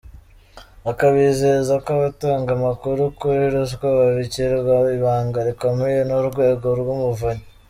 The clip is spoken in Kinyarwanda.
Akabizeza ko abatanga amakuru kuri ruswa babikirwa ibanga rikomeye n’Urwego rw’Umuvunyi.